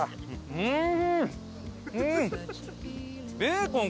うん！